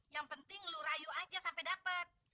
yang penting lu rayu aja sampe dapet